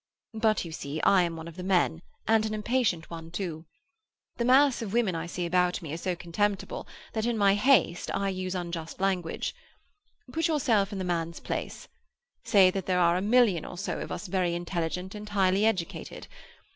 But, you see, I am one of the men, and an impatient one too. The mass of women I see about me are so contemptible that, in my haste, I use unjust language. Put yourself in the man's place. Say that there are a million or so of us very intelligent and highly educated.